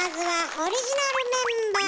オリジナルメンバー！